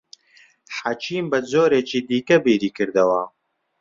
حەکیم بە جۆرێکی دیکە بیری کردەوە.